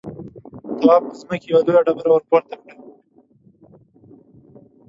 تواب له ځمکې يوه لويه ډبره ورپورته کړه.